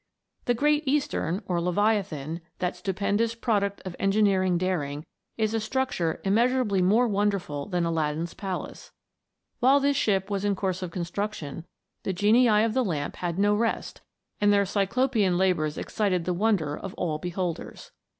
The Great Eastern, or Leviathan, that stupendous product of engineering daring, is a structure immea surably more wonderful than Aladdin's palace. While this ship was in course of construction, the genii of the lamp had no rest, and their Cyclopean labours excited the wonder of all beholders.